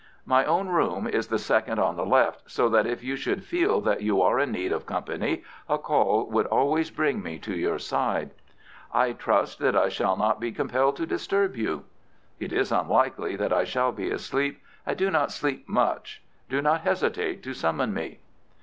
"My own room is the second on the left, so that if you should feel that you are in need of company a call would always bring me to your side." "I trust that I shall not be compelled to disturb you." "It is unlikely that I shall be asleep. I do not sleep much. Do not hesitate to summon me."